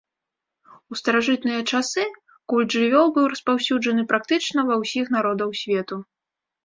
У старажытныя часы культ жывёл быў распаўсюджаны практычна ва ўсіх народаў свету.